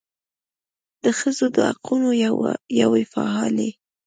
د ښځو د حقونو یوې فعالې